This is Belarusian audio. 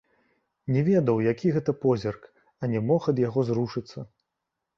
Не ведаў, які гэта позірк, а не мог ад яго зрушыцца.